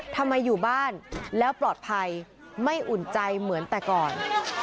ทำไมอยู่บ้านแล้วปลอดภัยไม่อุ่นใจเหมือนแต่ก่อน